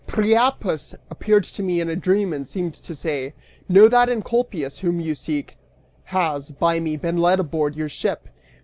"Priapus appeared to me in a dream and seemed to say Know that Encolpius, whom you seek, has, by me, been led aboard your ship!"